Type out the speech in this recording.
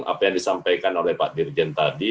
apa yang disampaikan oleh pak dirjen tadi